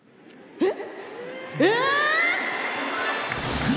えっ。